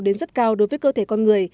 đến rất cao đối với cơ thể con người